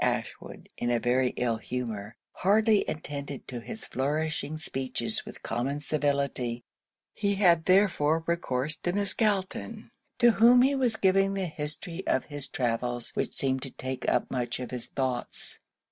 Ashwood, in a very ill humour, hardly attended to his flourishing speeches with common civility; he had therefore recourse to Miss Galton, to whom he was giving the history of his travels, which seemed to take up much of his thoughts.